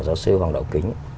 giáo sư hoàng đạo kính